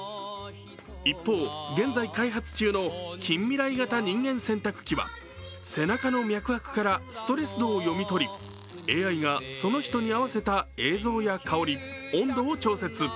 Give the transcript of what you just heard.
一方、現在開発中の近未来型人間洗濯機は背中の脈拍からストレス度を読み取りＡＩがその人に合わせた映像や香り、温度を調節。